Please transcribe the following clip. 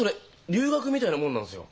留学みたいなもんなんすよ。